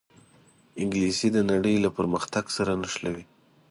انګلیسي د نړۍ له پرمختګ سره نښلوي